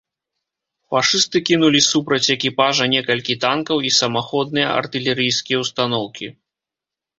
Фашысты кінулі супраць экіпажа некалькі танкаў і самаходныя артылерыйскія ўстаноўкі.